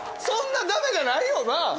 そんなだめじゃないよな？